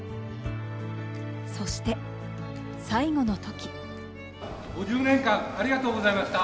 そして最後の時。